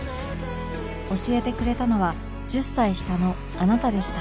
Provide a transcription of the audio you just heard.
教えてくれたのは１０歳下のあなたでした